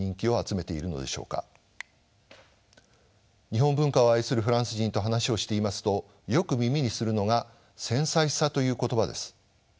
日本文化を愛するフランス人と話をしていますとよく耳にするのが繊細さという言葉です。